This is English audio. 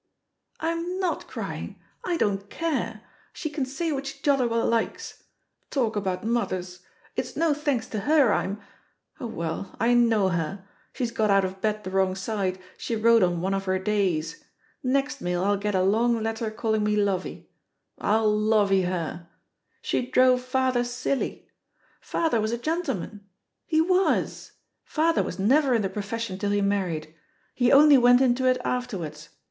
"I'm not crying. I don't care. She can say what she jolly well likes. Talk about mothers! it's no thanks to her I'm Oh, well, I know her! she's got out of bed the wrong side, she wrote on one of her days. Next mail I'll get a long letter calling me Xovey.' I'll ^lovey* her. •.. She drove father silly! Father was a gen tleman. He was — father was never in the pro fession till he married, he only went into it after wards.